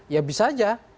ya bisa saja